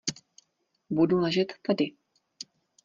Budu ležet tady.